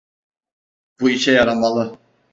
Bu işe yaramalı.